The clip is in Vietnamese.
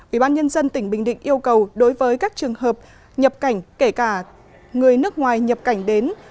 ubnd tỉnh bình định yêu cầu đối với các trường hợp nhập cảnh kể cả người nước ngoài nhập cảnh đến